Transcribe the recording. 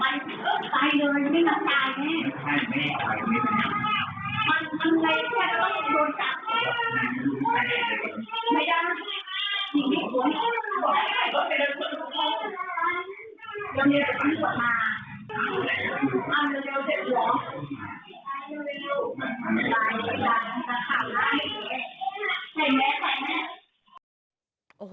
อ้าวเดี๋ยวเดี๋ยวเดี๋ยว